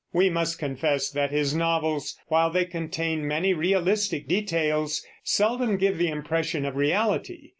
We must confess that his novels, while they contain many realistic details, seldom give the impression of reality.